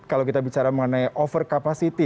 kalau kita bicara mengenai overcapacity